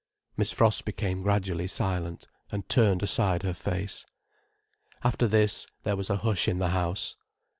Miss Frost became gradually silent, and turned aside her face. After this there was a hush in the house.